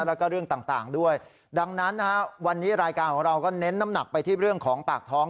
แล้วก็เรื่องต่างด้วยดังนั้นนะฮะวันนี้รายการของเราก็เน้นน้ำหนักไปที่เรื่องของปากท้อง